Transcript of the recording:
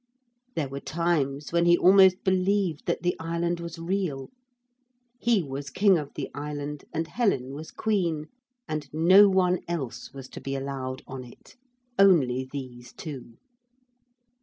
There were times when he almost believed that the island was real. He was king of the island and Helen was queen, and no one else was to be allowed on it. Only these two.